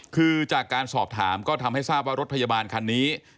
คือจากการสอบถามก็ทำให้ทราบว่ารถพยาบาลคันนี้